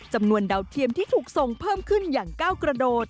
จำนวนดาวเทียมที่ถูกส่งเพิ่มขึ้นอย่างก้าวกระโดด